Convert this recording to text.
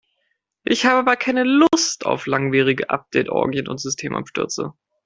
Ich habe aber keine Lust auf langwierige Update-Orgien und Systemabstürze.